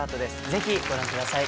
ぜひご覧ください。